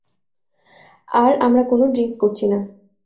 আর আমরা কোন ড্রিংকস করছি না।